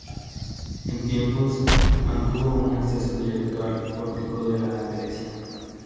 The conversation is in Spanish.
En tiempos mantuvo un acceso directo al pórtico de la Iglesia.